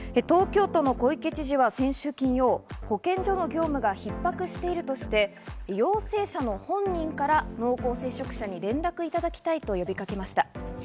東京都の小池知事は先週金曜、保健所の業務が逼迫しているとして、陽性者の本人から濃厚接触者に連絡いただきたいと呼びかけました。